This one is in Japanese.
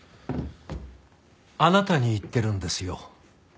あなたに言ってるんですよ。